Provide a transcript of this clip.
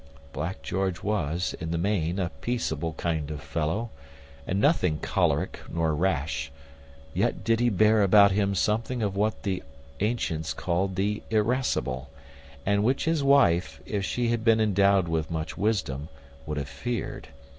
Black George was, in the main, a peaceable kind of fellow, and nothing choleric nor rash; yet did he bear about him something of what the antients called the irascible, and which his wife, if she had been endowed with much wisdom, would have feared.